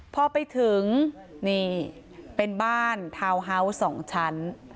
พอไปถึงนี่เป็นบ้านทาวน์ฮาวส์๒ชั้น